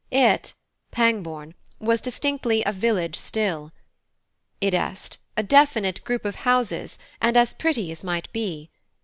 It (Pangbourne) was distinctly a village still i.e., a definite group of houses, and as pretty as might be.